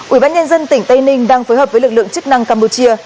ủy ban nhân dân tỉnh tây ninh đang phối hợp với lực lượng chức năng campuchia